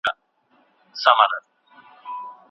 تعليم ذهني وړتيا پياوړې کوي.